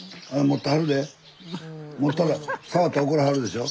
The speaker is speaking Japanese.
持ったら触ったら怒らはるでしょ。